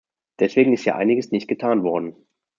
Deswegen ist hier einiges nicht getan worden.